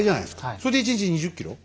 それで１日２０ｋｍ？